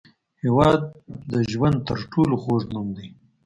هېواد د ژوند تر ټولو خوږ نوم دی.